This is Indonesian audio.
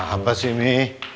apa sih ini